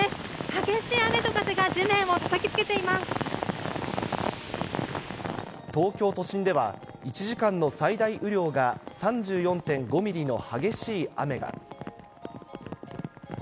激しい雨と風が、地面をたたきつ東京都心では、１時間の最大雨量が３４．５ミリの激しい雨が。